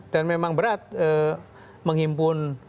dan memang berat menghimpun